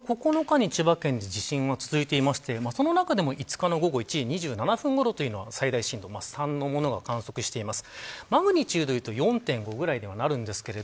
今月の５日と９日に千葉県で地震が続いていましてその中でも５日の午後１時２７分ごろ最大震度３のものを観測しています。